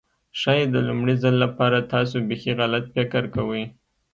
ښايي د لومړي ځل لپاره تاسو بيخي غلط فکر کوئ.